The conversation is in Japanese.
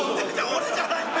俺じゃないって！